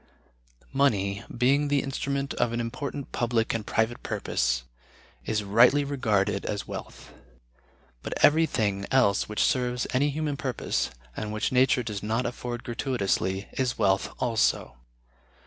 Money, being the instrument of an important public and private purpose, is rightly regarded as wealth; but everything else which serves any human purpose, and which nature does not afford gratuitously, is wealth also.